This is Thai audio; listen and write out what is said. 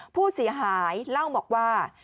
ผู้เสียหายเล่าบอกว่า